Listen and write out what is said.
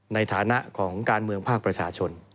ในฐานะของการเมืองภาคประชาชน